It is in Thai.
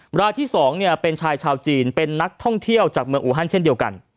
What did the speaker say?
รายที่๒เป็นชายชาวจีนเป็นนักท่องเที่ยวจากเมืองอูฮันเช่นเดียวกัน